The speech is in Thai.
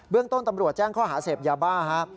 เรื่องต้นตำรวจแจ้งข้อหาเสพยาบ้าฮะ